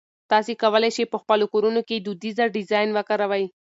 تاسي کولای شئ په خپلو کورونو کې دودیزه ډیزاین وکاروئ.